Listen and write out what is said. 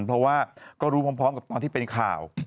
เพราะว่าก็รู้พร้อมกับตอนที่เป็นข่าว